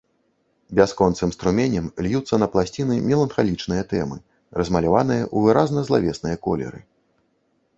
Бясконцым струменем льюцца на пласцінцы меланхалічныя тэмы, размаляваныя ў выразна злавесныя колеры.